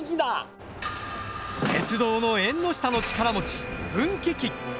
鉄道の縁の下の力持ち分岐器。